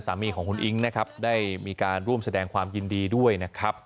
สามีของคุณอิ๊งนะครับได้มีการร่วมแสดงความยินดีด้วยนะครับ